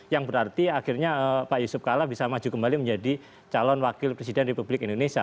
yang berarti akhirnya pak yusuf kalla bisa maju kembali menjadi calon wakil presiden republik indonesia